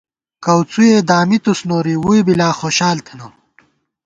کؤڅُوئے دامِتُس نوری، ووئی بی لا خوشال تھنہ